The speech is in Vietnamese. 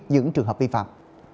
những trường hợp vi phạm